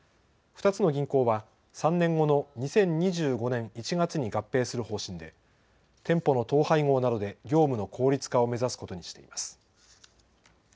２つの銀行は３年後の２０２５年１月に合併する方針で店舗の統廃合などで業務の効率化を目指すことにしています。